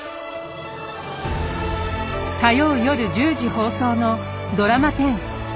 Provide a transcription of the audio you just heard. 火曜夜１０時放送のドラマ１０「大奥」。